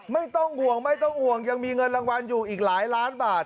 ไม่ต้องห่วงไม่ต้องห่วงยังมีเงินรางวัลอยู่อีกหลายล้านบาท